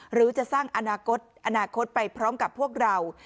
หรือจะสร้างอนาคตอนาคตไปพร้อมกับพวกเรา